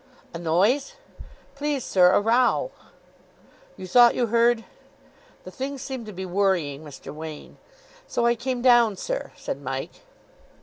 "A noise?" "Please, sir, a row." "You thought you heard !" The thing seemed to be worrying Mr. Wain. "So I came down, sir," said Mike.